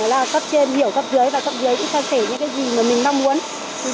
nói là cấp trên hiểu cấp dưới và cấp dưới cũng chia sẻ những cái gì mà mình mong muốn